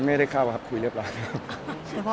ไม่ได้เข้าครับคุยแล้วเลยแล้ว